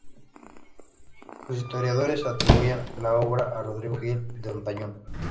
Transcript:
Los historiadores atribuyen la obra a Rodrigo Gil de Hontañón.